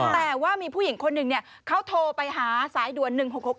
แต่ว่ามีผู้หญิงคนหนึ่งเขาโทรไปหาสายด่วน๑๖๖